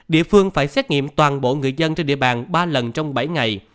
địa phương phải xét nghiệm toàn bộ người dân trên địa bàn ba lần trong bảy ngày